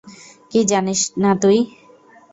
কী জানিস না, তুই?